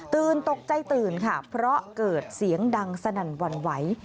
ตกใจตื่นค่ะเพราะเกิดเสียงดังสนั่นหวั่นไหว